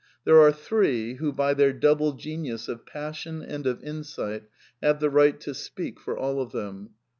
There are three who, by their double genius of passion and of insight, have the right to speak for all of them.